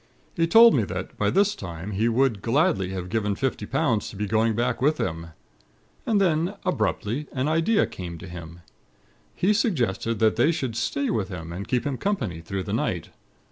He told me that, by this time, he would gladly have given fifty pounds to be going back with them. And then, abruptly, an idea came to him. He suggested that they should stay with him, and keep him company through the night.